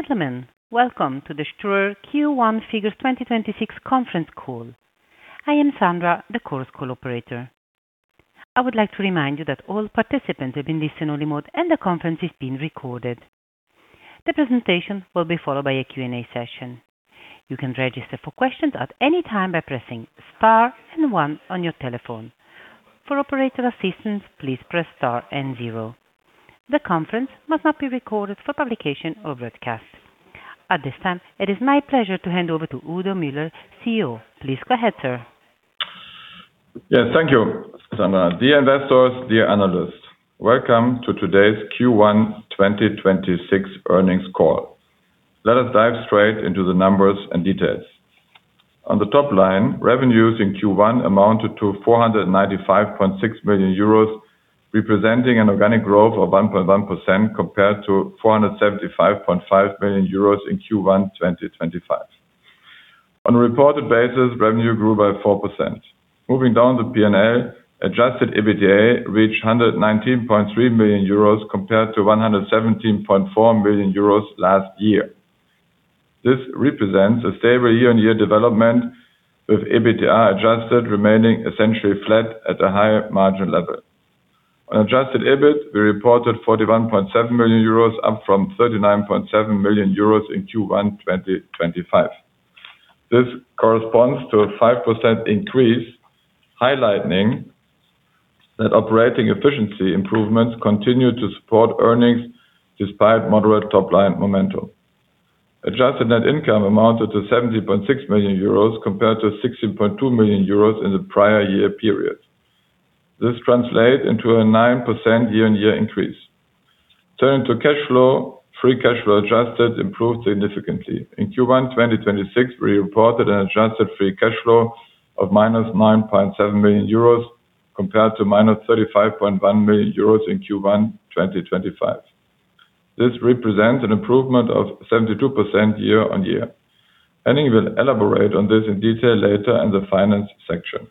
Ladies and gentlemen, welcome to the Ströer Q1 figures 2026 conference call. I am Sandra, the Chorus Call operator. I would like to remind you that all participants have been listening only mode and the conference is being recorded. The presentation will be followed by a Q&A session. You can register for questions at any time by pressing star and one on your telephone. For operator assistance, please press star and zero. The conference must not be recorded for publication or broadcast. At this time, it is my pleasure to hand over to Udo Müller, CEO. Please go ahead, sir. Yes. Thank you, Sandra. Dear investors, dear analysts, welcome to today's Q1 2026 earnings call. Let us dive straight into the numbers and details. On the top line, revenues in Q1 amounted to 495.6 million euros, representing an organic growth of 1.1% compared to 475.5 million euros in Q1 2025. On a reported basis, revenue grew by 4%. Moving down the P&L, adjusted EBITDA reached 119.3 million euros compared to 117.4 million euros last year. This represents a stable year-on-year development, with EBITDA adjusted remaining essentially flat at a higher margin level. On adjusted EBIT, we reported 41.7 million euros, up from 39.7 million euros in Q1 2025. This corresponds to a 5% increase, highlighting that operating efficiency improvements continue to support earnings despite moderate top line momentum. Adjusted net income amounted to 17.6 million euros compared to 16.2 million euros in the prior year period. This translate into a 9% year-on-year increase. Turning to cash flow, free cash flow adjusted improved significantly. In Q1 2026, we reported an adjusted free cash flow of -9.7 million euros compared to -35.1 million euros in Q1 2025. This represents an improvement of 72% year-on-year. Henning will elaborate on this in detail later in the finance section.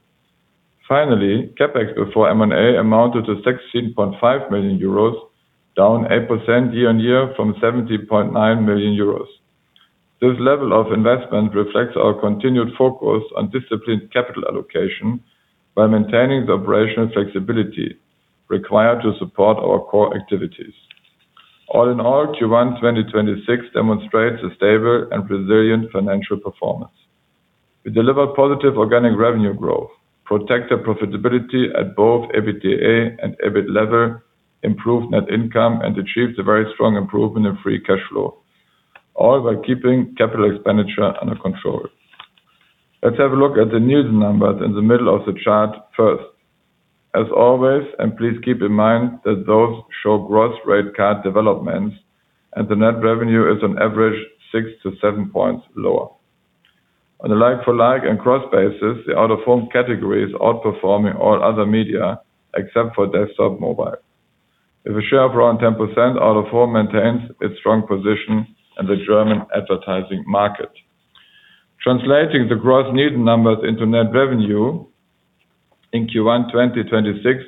Finally, CapEx before M&A amounted to 16.5 million euros, down 8% year-on-year from 17.9 million euros. This level of investment reflects our continued focus on disciplined capital allocation by maintaining the operational flexibility required to support our core activities. All in all, Q1 2026 demonstrates a stable and resilient financial performance. We deliver positive organic revenue growth, protected profitability at both EBITDA and EBIT level, improved net income, and achieved a very strong improvement in free cash flow, all while keeping capital expenditure under control. Let's have a look at the Nielsen numbers in the middle of the chart first. As always, please keep in mind that those show gross rate card developments and the net revenue is on average 6 points-7 points lower. On a like-for-like and gross basis, the Out-of-Home category is outperforming all other media except for desktop/mobile. With a share of around 10%, Out-of-Home maintains its strong position in the German advertising market. Translating the gross Nielsen numbers into net revenue in Q1 2026,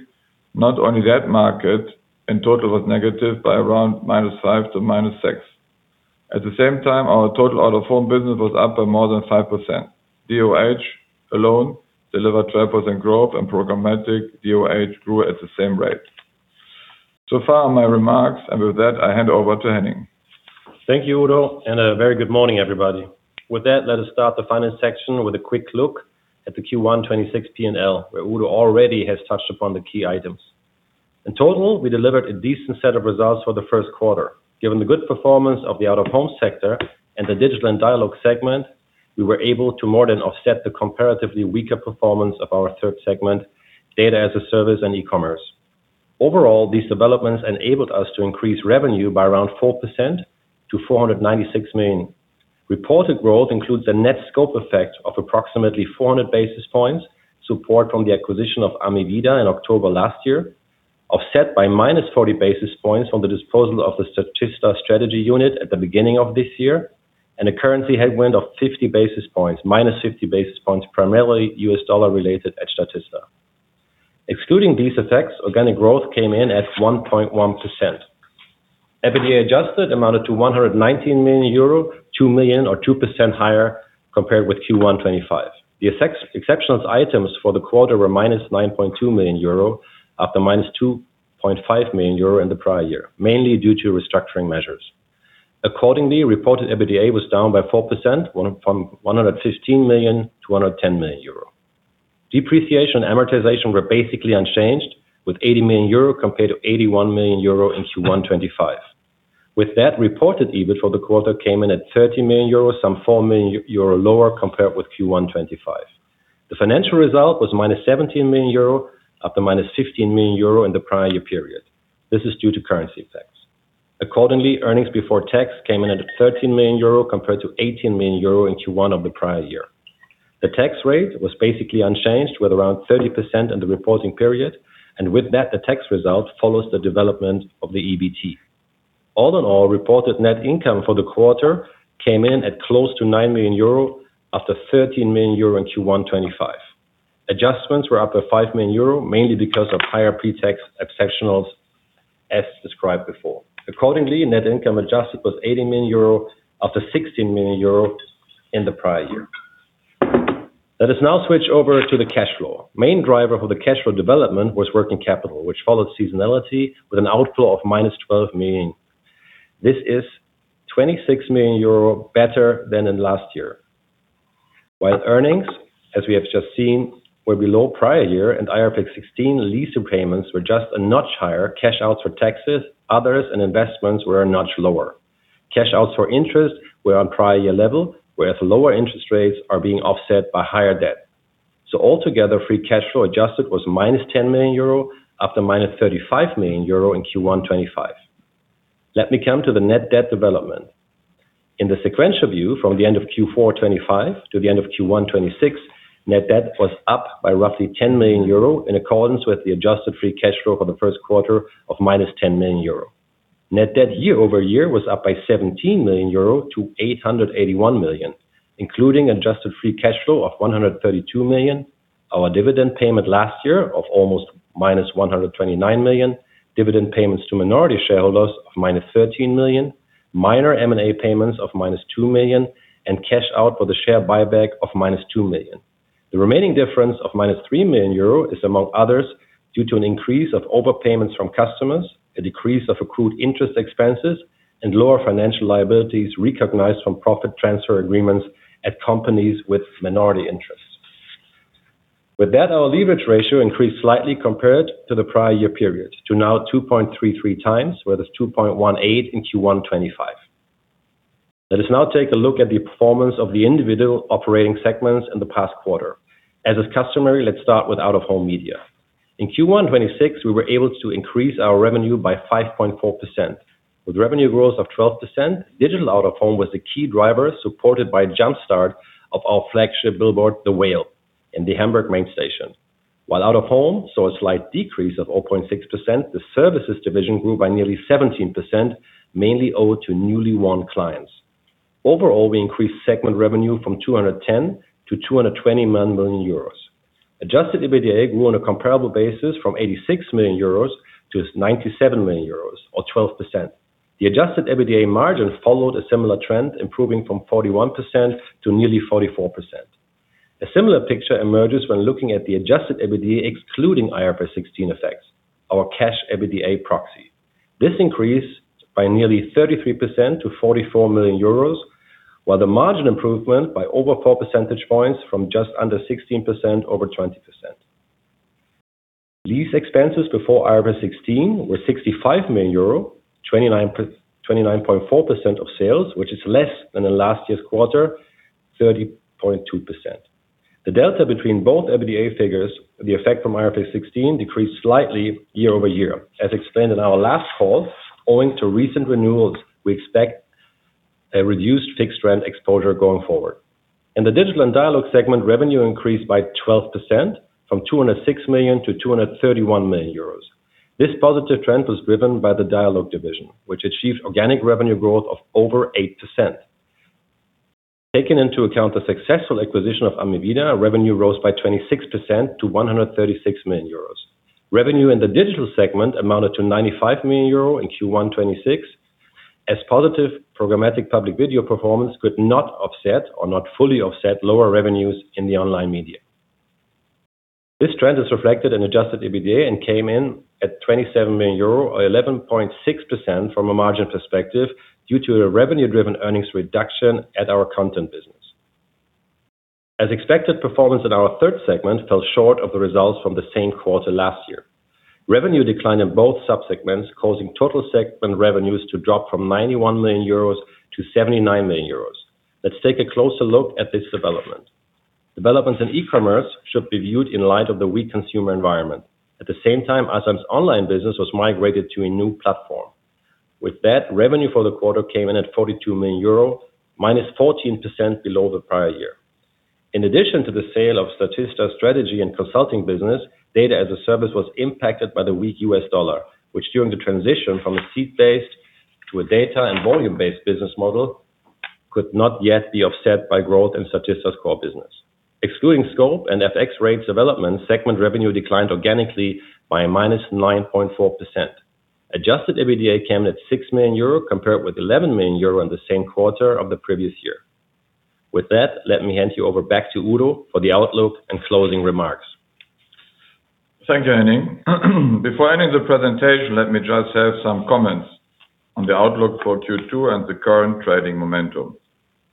not only that market in total was negative by around -5% to -6%. At the same time, our total Out-of-Home business was up by more than 5%. DOOH alone delivered 12% growth, and programmatic DOOH grew at the same rate. So far, my remarks, and with that, I hand over to Henning. Thank you, Udo, and a very good morning, everybody. With that, let us start the finance section with a quick look at the Q1 2026 P&L, where Udo already has touched upon the key items. In total, we delivered a decent set of results for the first quarter. Given the good performance of the Out-of-Home sector and the Digital & Dialog Media segment, we were able to more than offset the comparatively weaker performance of our third segment, Data as a Service and E-commerce. Overall, these developments enabled us to increase revenue by around 4% to 496 million. Reported growth includes a net scope effect of approximately 400 basis points, support from the acquisition of AMEVIDA in October last year, offset by 40 basis points from the disposal of the Statista strategy unit at the beginning of this year, and a currency headwind of 50 basis points, -50 basis points, primarily US dollar related at Statista. Excluding these effects, organic growth came in at 1.1%. EBITDA adjusted amounted to 119 million euro, 2 million or 2% higher compared with Q1 2025. Exceptional items for the quarter were -9.2 million euro after -2.5 million euro in the prior year, mainly due to restructuring measures. Accordingly, reported EBITDA was down by 4% from 115 million to 110 million euro. Depreciation and amortization were basically unchanged, with 80 million euro compared to 81 million euro in Q1 2025. With that, reported EBIT for the quarter came in at 30 million euro, some 4 million euro lower compared with Q1 2025. The financial result was -17 million euro after -15 million euro in the prior year period. This is due to currency effects. Accordingly, earnings before tax came in at 13 million euro compared to 18 million euro in Q1 of the prior year. The tax rate was basically unchanged with around 30% in the reporting period, and with that, the tax result follows the development of the EBT. All in all, reported net income for the quarter came in at close to 9 million euro after 13 million euro in Q1 2025. Adjustments were up to 5 million euro, mainly because of higher pretax exceptionals as described before. Accordingly, net income adjusted was 80 million euro after 16 million euro in the prior year. Let us now switch over to the cash flow. Main driver for the cash flow development was working capital, which followed seasonality with an outflow of -12 million. This is 26 million euro better than in last year. While earnings, as we have just seen, were below prior year and IFRS 16 lease repayments were just a notch higher, cash outs for taxes, others, and investments were a notch lower. Cash outs for interest were on prior year level, whereas lower interest rates are being offset by higher debt. Altogether, free cash flow adjusted was -10 million euro after -35 million euro in Q1 2025. Let me come to the net debt development. In the sequential view, from the end of Q4 2025 to the end of Q1 2026, net debt was up by roughly 10 million euro in accordance with the adjusted free cash flow for the first quarter of -10 million euro. Net debt year-over-year was up by 17 million euro to 881 million, including adjusted free cash flow of 132 million, our dividend payment last year of almost -129 million, dividend payments to minority shareholders of -13 million, minor M&A payments of -2 million, and cash out for the share buyback of -2 million. The remaining difference of -3 million euro is, among others, due to an increase of overpayments from customers, a decrease of accrued interest expenses, and lower financial liabilities recognized from profit transfer agreements at companies with minority interests. With that, our leverage ratio increased slightly compared to the prior year period to now 2.33x, whereas 2.18x in Q1 2025. Let us now take a look at the performance of the individual operating segments in the past quarter. As is customary, let's start with Out-of-Home media. In Q1 2026, we were able to increase our revenue by 5.4%. With revenue growth of 12%, Digital Out-of-Home was the key driver supported by jumpstart of our flagship billboard, The Whale, in the Hamburg main station. While Out-of-Home saw a slight decrease of 0.6%, the services division grew by nearly 17%, mainly owed to newly won clients. Overall, we increased segment revenue from 210 million euros to EUR 229 million. Adjusted EBITDA grew on a comparable basis from 86 million euros to 97 million euros, or 12%. The adjusted EBITDA margin followed a similar trend, improving from 41% to nearly 44%. A similar picture emerges when looking at the adjusted EBITDA excluding IFRS 16 effects, our cash EBITDA proxy. This increased by nearly 33% to 44 million euros, while the margin improvement by over 4 percentage points from just under 16% over 20%. Lease expenses before IFRS 16 were 65 million euro, 29.4% of sales, which is less than in last year's quarter, 30.2%. The delta between both EBITDA figures, the effect from IFRS 16 decreased slightly year-over-year. As explained in our last call, owing to recent renewals, we expect a reduced fixed rent exposure going forward. In the Digital & Dialog Media segment, revenue increased by 12% from 206 million to 231 million euros. This positive trend was driven by the Dialog division, which achieved organic revenue growth of over 8%. Taking into account the successful acquisition of AMEVIDA, revenue rose by 26% to 136 million euros. Revenue in the Digital segment amounted to 95 million euro in Q1 2026, as positive programmatic public video performance could not fully offset lower revenues in the online media. This trend is reflected in adjusted EBITDA and came in at 27 million euro, or 11.6% from a margin perspective, due to a revenue-driven earnings reduction at our content business. As expected, performance in our third segment fell short of the results from the same quarter last year. Revenue declined in both subsegments, causing total segment revenues to drop from 91 million euros to 79 million euros. Let's take a closer look at this development. Developments in e-commerce should be viewed in light of the weak consumer environment. At the same time, asam's online business was migrated to a new platform. With that, revenue for the quarter came in at 42 million euro, -14% below the prior year. In addition to the sale of Statista's strategy and consulting business, Data as a Service was impacted by the weak US dollar, which during the transition from a seat-based to a data and volume-based business model could not yet be offset by growth in Statista's core business. Excluding scope and FX rates development, segment revenue declined organically by a -9.4%. Adjusted EBITDA came in at 6 million euro compared with 11 million euro in the same quarter of the previous year. Let me hand you over back to Udo for the outlook and closing remarks. Thank you, Henning. Before ending the presentation, let me just have some comments on the outlook for Q2 and the current trading momentum.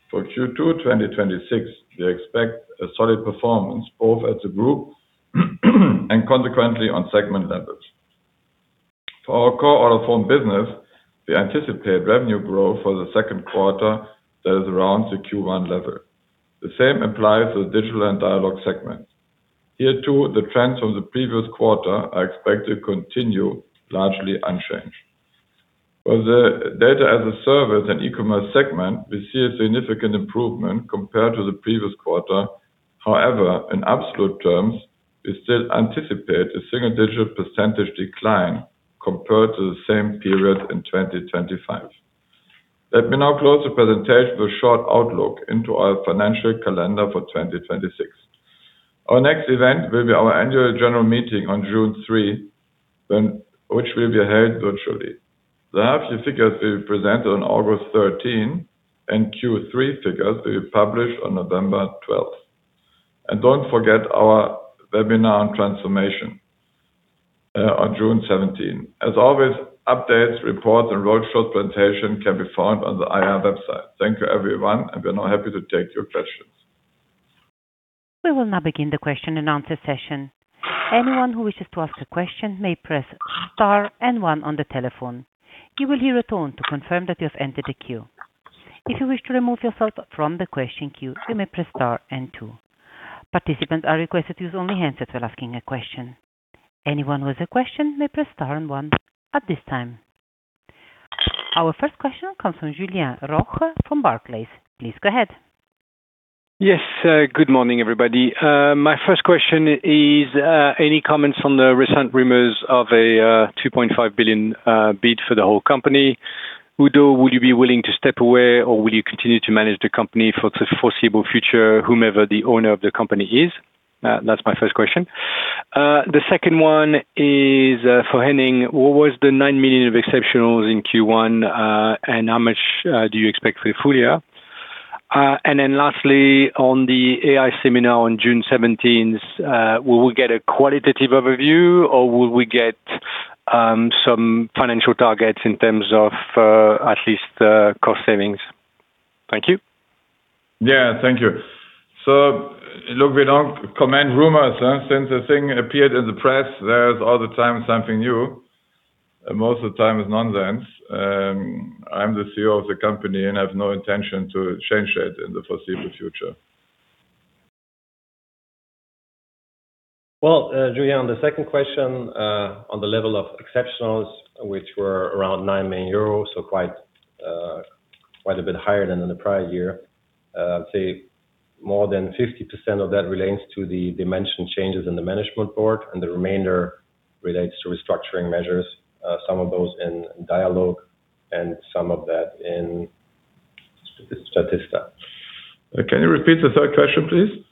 For Q2 2026, we expect a solid performance both as a group and consequently on segment levels. For our core Out-of-Home business, we anticipate revenue growth for the second quarter that is around the Q1 level. The same applies to the Digital & Dialog segments. Here, too, the trends from the previous quarter are expected to continue largely unchanged. For the Data as a Service and E-Commerce segment, we see a significant improvement compared to the previous quarter. However, in absolute terms, we still anticipate a single-digit percentage decline compared to the same period in 2025. Let me now close the presentation with a short outlook into our financial calendar for 2026. Our next event will be our annual general meeting on June 3, which will be held virtually. The half year figures will be presented on August 13th, Q3 figures will be published on November 12th. Don't forget our webinar on transformation on June 17th. As always, updates, reports, and roadshow presentations can be found on the IR website. Thank you, everyone, and we're now happy to take your questions. We will now begin the question and answer session. Anyone who wishes to ask a question may press star and one on the telephone. You will hear a tone to confirm that you have entered the queue. If you wish to remove yourself from the question queue you may press star and two. Participants are requested to disable the loudspeaker mode while asking a question. Anyone who has a question may press star and one at this time. Our first question comes from Julien Roch from Barclays. Please go ahead. Yes, good morning, everybody. My first question is, any comments on the recent rumors of a 2.5 billion bid for the whole company? Udo, would you be willing to step away, or will you continue to manage the company for the foreseeable future, whomever the owner of the company is? That's my first question. The second one is for Henning. What was the 9 million of exceptionals in Q1, and how much do you expect for the full year? Lastly, on the AI seminar on June 17th, will we get a qualitative overview, or will we get some financial targets in terms of at least cost savings? Thank you. Yeah. Thank you. Look, we don't comment rumors, huh. Since the thing appeared in the press, there's all the time something new, and most of the time it's nonsense. I'm the CEO of the company, and I have no intention to change that in the foreseeable future. Well, Julien, the second question on the level of exceptionals, which were around 9 million euros, so quite a bit higher than in the prior year. I'd say more than 50% of that relates to the dimension changes in the management board, and the remainder relates to restructuring measures, some of those in Dialogue and some of that in Statista. Can you repeat the third question, please?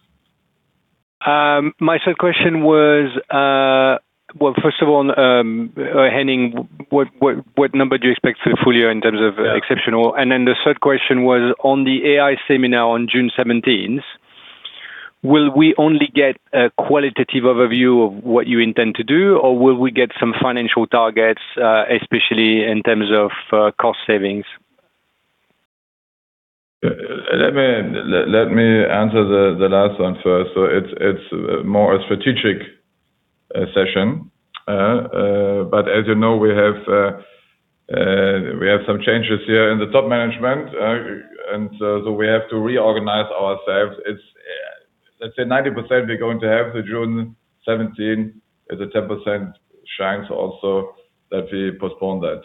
My third question was, well, first of all, Henning, what number do you expect for the full year in terms of. Yeah exceptional? The third question was on the AI seminar on June 17th, will we only get a qualitative overview of what you intend to do, or will we get some financial targets, especially in terms of cost savings? Let me answer the last one first. It's more a strategic session. As you know, we have some changes here in the top management. We have to reorganize ourselves. It's, let's say 90% we're going to have the June 17. There's a 10% chance also that we postpone that.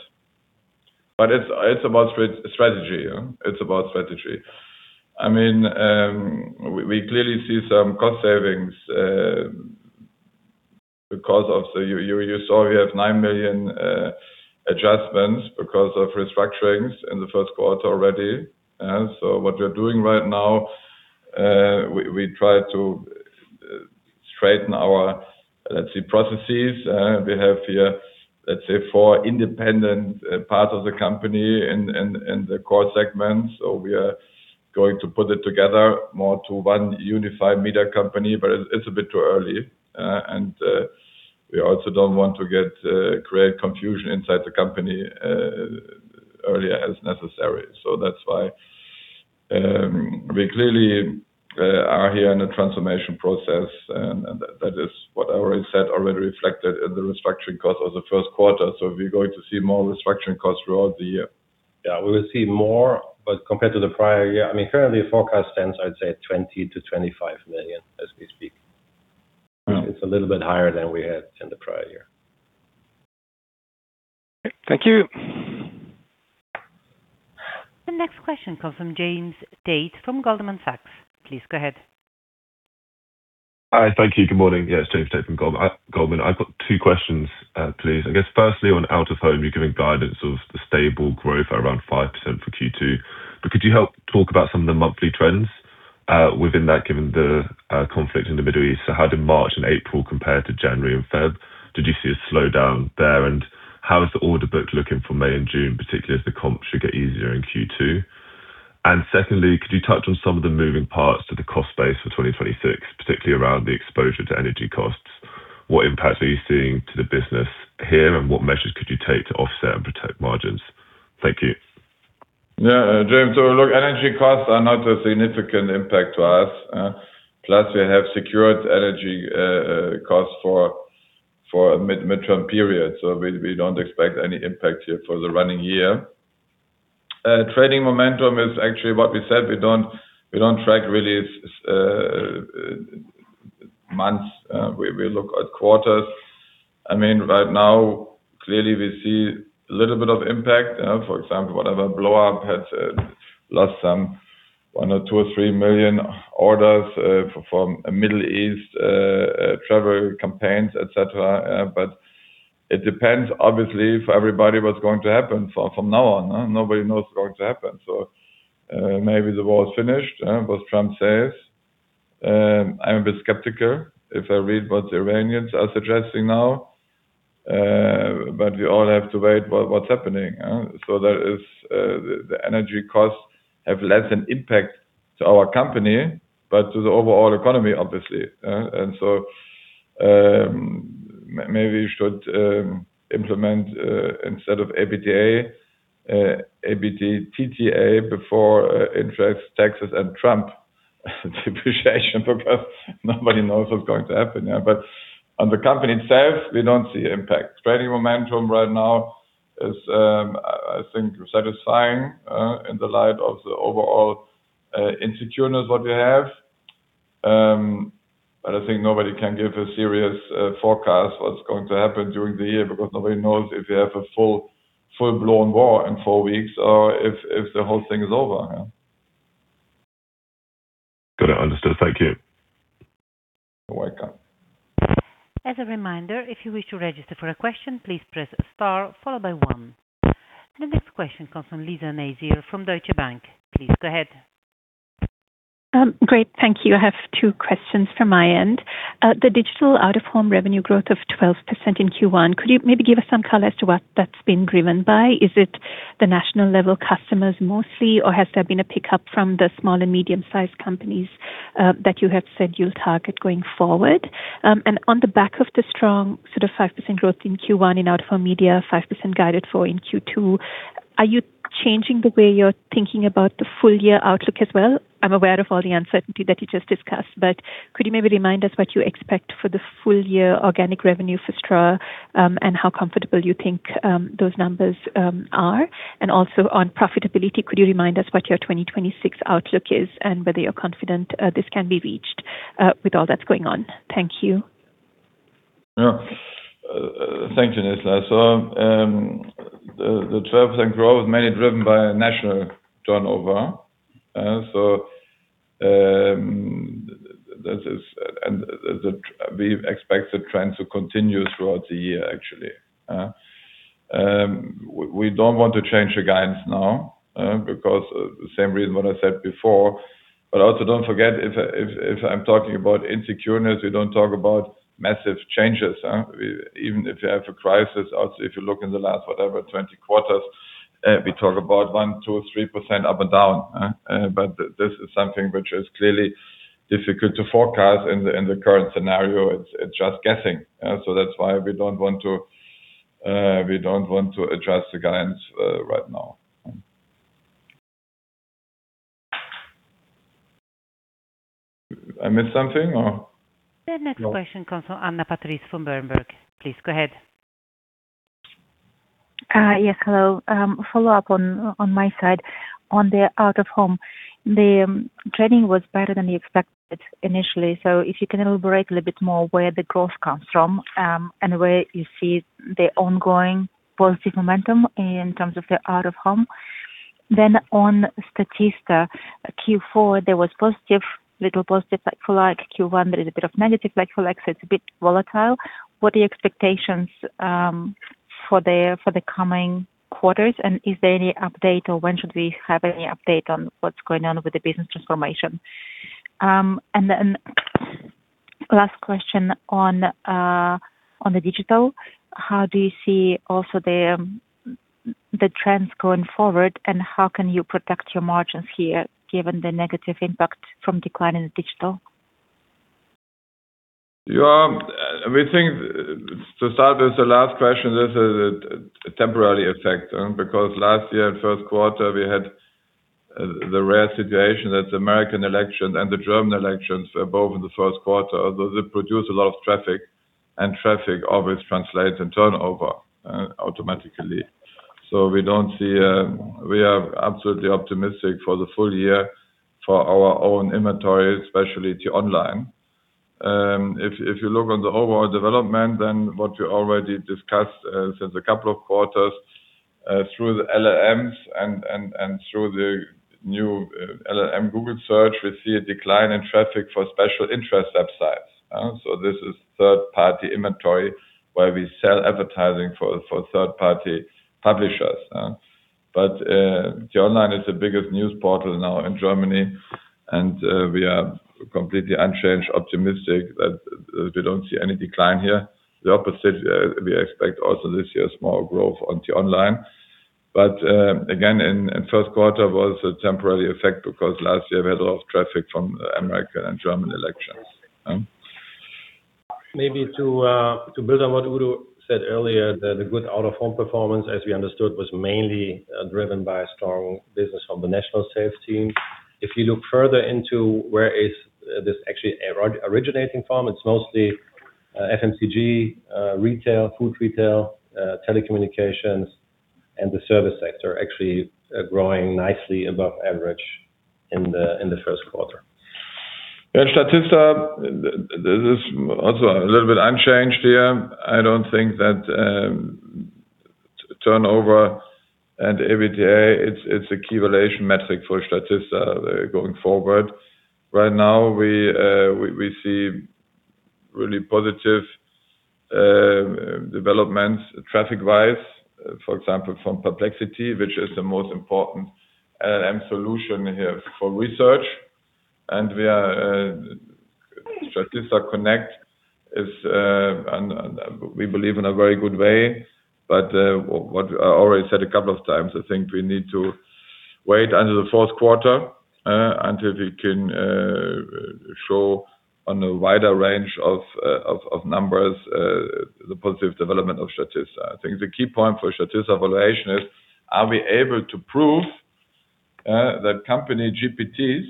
It's about strategy, yeah. It's about strategy. I mean, we clearly see some cost savings because of you saw we have EUR 9 million adjustments because of restructurings in the first quarter already. What we are doing right now, we try to straighten our, let's say, processes. We have here, let's say four independent part of the company in the core segments. We are going to put it together more to one unified media company, but it's a bit too early. We also don't want to get, create confusion inside the company, earlier as necessary. That's why we clearly are here in a transformation process. That is what I already said, already reflected in the restructuring cost of the first quarter. We're going to see more restructuring costs throughout the year. Yeah. We will see more, but compared to the prior year, I mean, currently the forecast stands, I'd say, at 20 million-25 million as we speak. Wow. It's a little bit higher than we had in the prior year. Thank you. The next question comes from James Tate from Goldman Sachs. Please go ahead. Hi. Thank you. Good morning. It's James Tate from Goldman. I've got two questions, please. I guess, firstly, on Out-of-Home, you're giving guidance of the stable growth around 5% for Q2, but could you help talk about some of the monthly trends within that given the conflict in the Middle East? How did March and April compare to January and Feb? Did you see a slowdown there? How is the order book looking for May and June, particularly as the comp should get easier in Q2? Secondly, could you touch on some of the moving parts to the cost base for 2026, particularly around the exposure to energy costs? What impact are you seeing to the business here, and what measures could you take to offset and protect margins? Thank you. James. Energy costs are not a significant impact to us, plus we have secured energy costs for a mid-term period. We don't expect any impact here for the running year. Trading momentum is actually what we said. We don't track really months. We look at quarters. I mean, right now, clearly, we see a little bit of impact. For example, whatever blowUP has lost some 1 million or 2 million or 3 million orders from Middle East travel campaigns, et cetera. It depends, obviously, for everybody what's going to happen from now on. Nobody knows what's going to happen. Maybe the war is finished, what Trump says. I'm a bit skeptical if I read what the Iranians are suggesting now. We all have to wait what's happening? There is the energy costs have less an impact to our company, but to the overall economy, obviously. Maybe we should implement instead of EBITDA, EBITTTA, before interest, taxes and Trump depreciation because nobody knows what's going to happen. On the company itself, we don't see impact. Trading momentum right now is I think satisfying in the light of the overall insecureness what we have. I think nobody can give a serious forecast what's going to happen during the year because nobody knows if you have a full-blown war in four weeks or if the whole thing is over. Got it. Understood. Thank you. You're welcome. As a reminder, if you wish to register for a question, please press star followed by one. The next question comes from Nizla Naizer from Deutsche Bank. Please go ahead. Great. Thank you. I have two questions from my end. The Digital Out-of-Home revenue growth of 12% in Q1, could you maybe give us some color as to what that's been driven by? Is it the national level customers mostly, or has there been a pickup from the small and medium-sized companies that you have said you'll target going forward? On the back of the strong sort of 5% growth in Q1 in Out-of-Home media, 5% guided for in Q2, are you changing the way you're thinking about the full year outlook as well? I'm aware of all the uncertainty that you just discussed, but could you maybe remind us what you expect for the full year organic revenue for Ströer, and how comfortable you think those numbers are? Also on profitability, could you remind us what your 2026 outlook is and whether you're confident this can be reached with all that's going on? Thank you. Thank you, Nizla. The 12% growth mainly driven by national turnover. We expect the trend to continue throughout the year, actually. We don't want to change the guidance now because the same reason what I said before. Also don't forget if I'm talking about insecureness, we don't talk about massive changes. Even if you have a crisis, also, if you look in the last, whatever, 20 quarters, we talk about 1%, 2%, 3% up and down. This is something which is clearly difficult to forecast in the current scenario. It's just guessing. That's why we don't want to adjust the guidance right now. I missed something or no? The next question comes from Anna Patrice from Berenberg. Please go ahead. Yes. Hello. Follow up on my side. On the Out-of-Home, the trading was better than you expected initially. If you can elaborate a little bit more where the growth comes from, and where you see the ongoing positive momentum in terms of the Out-of-Home. On Statista, Q4, there was positive, little positive like for like Q1, there is a bit of negative like for like, so it's a bit volatile. What are the expectations for the coming quarters? Is there any update or when should we have any update on what's going on with the business transformation? Last question on the Digital. How do you see also the trends going forward, and how can you protect your margins here given the negative impact from decline in Digital? Yeah. We think to start with the last question, this is a temporary effect, because last year in first quarter we had the rare situation that the American election and the German elections were both in the first quarter. They produce a lot of traffic, and traffic always translates in turnover automatically. We are absolutely optimistic for the full year for our own inventory, especially the online. If you look on the overall development, what we already discussed since a couple of quarters, through the LLMs and through the new LLM Google search, we see a decline in traffic for special interest websites. This is third-party inventory where we sell advertising for third-party publishers. The online is the biggest news portal now in Germany, we are completely unchanged, optimistic that we don't see any decline here. The opposite, we expect also this year small growth on the online. Again, in first quarter was a temporary effect because last year we had a lot of traffic from America and German elections. Maybe to build on what Udo said earlier, that the good Out-of-Home performance, as we understood, was mainly driven by a strong business from the national sales team. If you look further into where is this actually originating from, it's mostly FMCG, retail, food retail, telecommunications, and the service sector actually growing nicely above average in the first quarter. Statista, this is also a little bit unchanged here. I don't think that. The turnover and EBITDA, it's a key valuation metric for Statista going forward. Right now we see really positive developments traffic-wise, for example, from Perplexity, which is the most important LLM solution here for research. We are, Statista Connect is, and we believe in a very good way. What I already said a couple of times, I think we need to wait until the fourth quarter until we can show on a wider range of numbers the positive development of Statista. I think the key point for Statista valuation is, are we able to prove that company GPTs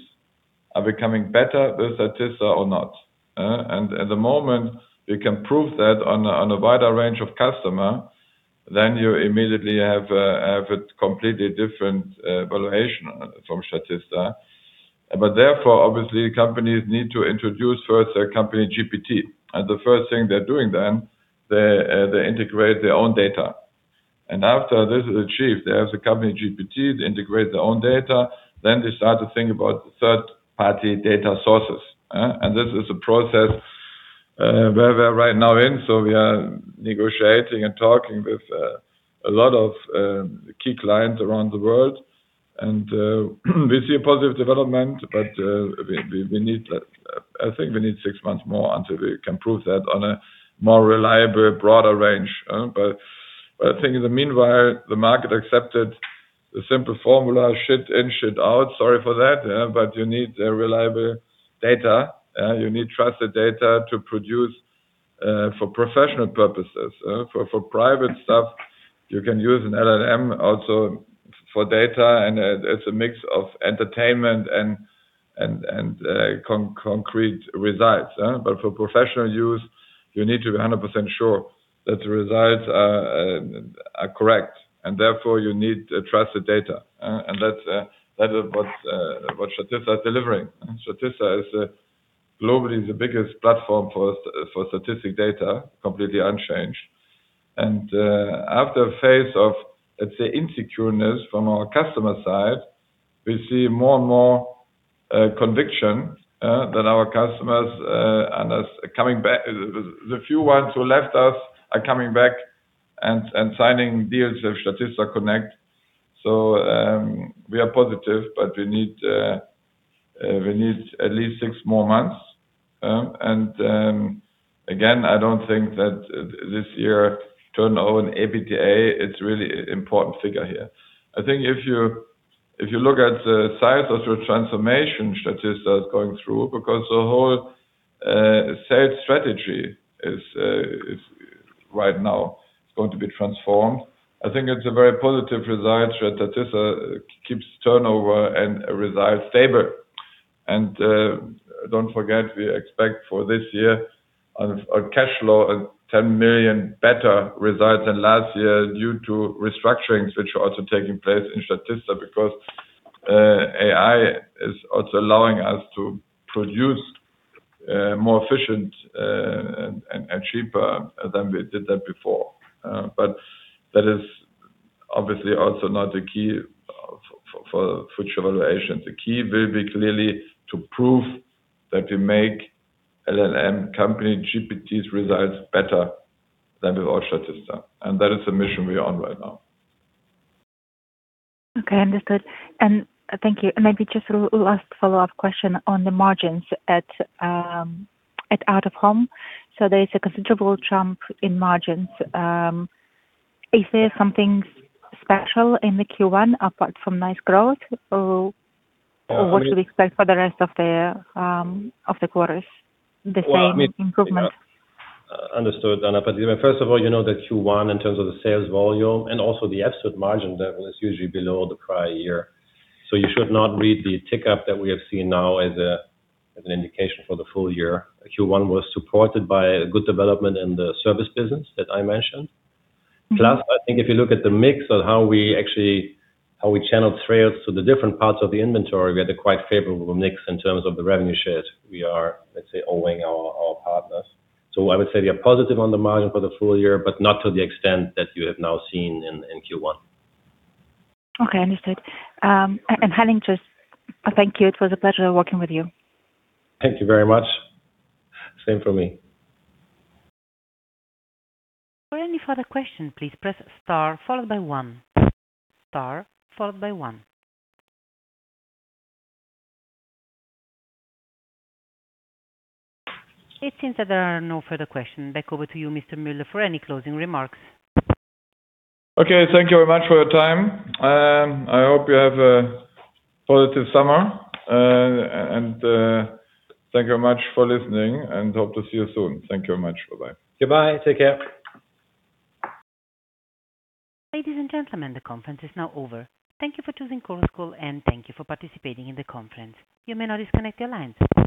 are becoming better with Statista or not? At the moment, we can prove that on a wider range of customer, then you immediately have a completely different valuation from Statista. The first thing they're doing then, they integrate their own data. After this is achieved, they have the company GPT, they integrate their own data, then they start to think about third-party data sources. This is a process where we are right now in. We are negotiating and talking with a lot of key clients around the world. We see a positive development, but we need, I think we need six months more until we can prove that on a more reliable, broader range. I think in the meanwhile, the market accepted the simple formula, shit in, shit out. Sorry for that, you need a reliable data. You need trusted data to produce for professional purposes. For private stuff, you can use an LLM also for data, and it's a mix of entertainment and concrete results. For professional use, you need to be 100% sure that the results are correct, and therefore you need trusted data. That's that is what Statista is delivering. Statista is globally the biggest platform for statistic data, completely unchanged. After a phase of, let's say, insecureness from our customer side, we see more and more conviction that our customers, the few ones who left us are coming back and signing deals with Statista Connect. We are positive, but we need at least six more months. Again, I don't think that this year turnover and EBITDA, it's really important figure here. I think if you look at the size of the transformation Statista is going through, because the whole sales strategy is right now going to be transformed. I think it's a very positive result that Statista keeps turnover and results stable. Don't forget, we expect for this year on cash flow, a 10 million better result than last year due to restructurings which are also taking place in Statista because AI is also allowing us to produce more efficient and cheaper than we did that before. That is obviously also not the key for future valuations. The key will be clearly to prove that we make LLM company GPT's results better than with all Statista. That is the mission we're on right now. Understood. Thank you. Maybe just a last follow-up question on the margins at Out-of-Home. There is a considerable jump in margins. Is there something special in the Q1 apart from nice growth or what should we expect for the rest of the quarters? The same improvements? Understood, Anna. First of all, you know that Q1 in terms of the sales volume and also the EBITDA margin level is usually below the prior year. You should not read the tick up that we have seen now as an indication for the full year. Q1 was supported by a good development in the service business that I mentioned. I think if you look at the mix of how we actually how we channel sales to the different parts of the inventory, we had a quite favorable mix in terms of the revenue shares we are, let's say, owing our partners. I would say we are positive on the margin for the full year, but not to the extent that you have now seen in Q1. Okay, understood. Henning just thank you. It was a pleasure working with you. Thank you very much. Same for me. For any further question, please press star followed by one. Star followed by one. It seems that there are no further questions. Back over to you, Mr. Müller, for any closing remarks. Okay. Thank you very much for your time. I hope you have a positive summer. Thank you very much for listening, and hope to see you soon. Thank you very much. Bye-bye. Goodbye. Take care. Ladies and gentlemen, the conference is now over. Thank you for choosing Chorus Call, and thank you for participating in the conference. You may now disconnect your lines. Bye-bye.